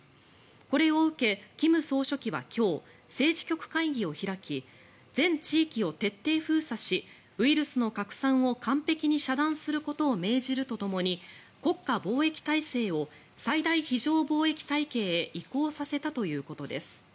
これを受け、金総書記は今日政治局会議を開き全地域を徹底封鎖しウイルスの拡散を完璧に遮断することを命じるとともに国家防疫体制を最大非常防疫体系へ移行させたということです。